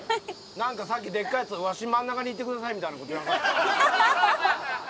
なんかさっき、でかいやつわしに真ん中にいてくださいって言わなかった？